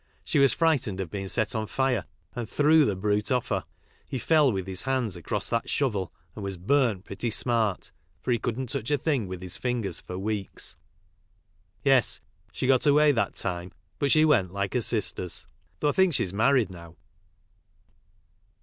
She was frightened of being set on fire, and threw the brute off her. Ho fell with his hands across that shovel, and was burnt pretty smart, for he couldn't touch a thing with his fingers for weeks. Yes, she got away that time, but she went like her sisters, though I think she's married now."